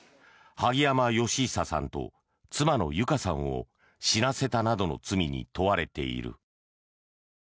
萩山嘉久さんと妻の友香さんを死なせたなどの罪に問われている。